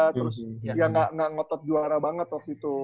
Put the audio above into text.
terus ya nggak ngotot juara banget waktu itu